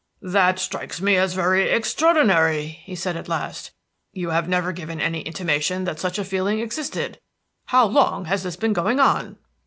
"This strikes me as very extraordinary," he said at last. "You have never given any intimation that such a feeling existed. How long has this been going on?"